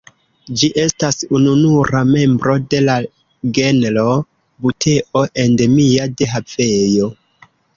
Ĝi estas ununura membro de la genro "Buteo" endemia de Havajo.